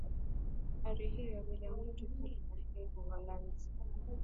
ari hii ya william ruto kule the hague uholanzi